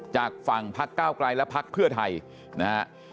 จากฝั่งพรรคเก้ากลายและภรรก์เพื่อไทยนะครับ